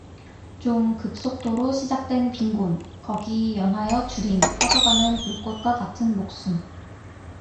좀 급속도로 시작된 빈곤, 거기 연하여 주림, 꺼져가는 불꽃과 같은 목숨